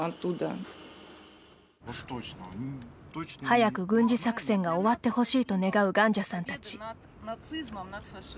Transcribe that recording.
早く軍事作戦が終わってほしいと願うガンジャさんたち。